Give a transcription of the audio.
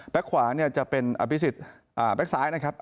แบ๊กขวาเนี่ยจะเป็นอภิษฐศ์อ่าแบ๊กซ้ายนะครับ